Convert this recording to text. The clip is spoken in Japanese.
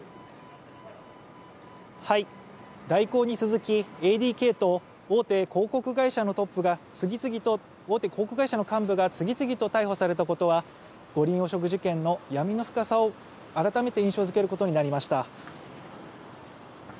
大広に続き、ＡＤＫと大手広告会社の幹部が次々と逮捕されたことは五輪汚職事件の闇の深さを改めて印象づけることになりました。